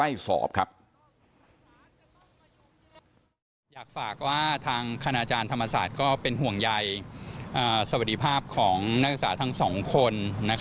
อยากฝากว่าทางคณาจารย์ธรรมศาสตร์ก็เป็นห่วงใยสวัสดีภาพของนักศึกษาทั้งสองคน